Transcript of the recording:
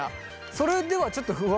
それではちょっと不安がある。